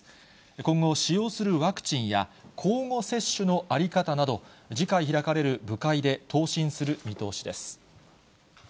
今後、使用するワクチンや交互接種の在り方など、次回開かれる部会で答申する見通しです。